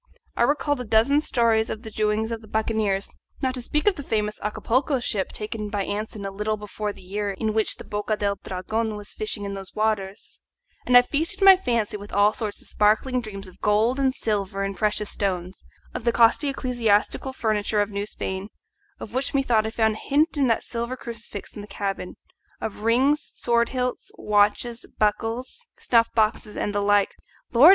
I recalled a dozen stories of the doings of the buccaneers, not to speak of the famous Acapulco ship taken by Anson a little before the year in which the Boca del Dragon was fishing in those waters; and I feasted my fancy with all sorts of sparkling dreams of gold and silver and precious stones, of the costly ecclesiastical furniture of New Spain, of which methought I found a hint in that silver crucifix in the cabin, of rings, sword hilts, watches, buckles, snuff boxes, and the like. Lord!